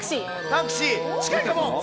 タクシー、近いかも。